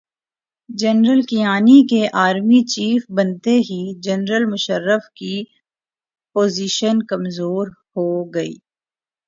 General Kayani کے army chief بنتے ہی جنرل مشرف کی پوزیشن کمزورہوگئی۔